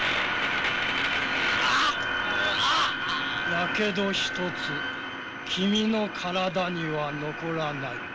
やけど一つ君の体には残らない。